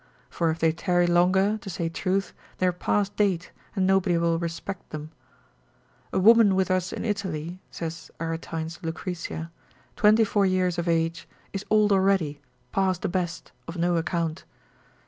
For if they tarry longer, to say truth, they are past date, and nobody will respect them. A woman with us in Italy (saith Aretine's Lucretia) twenty four years of age, is old already, past the best, of no account.